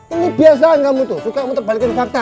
ini biasalah kamu tuh suka kamu terbalikin fakta